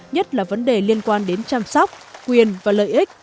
nhất là vấn đề liên quan đến chăm sóc quyền và lợi ích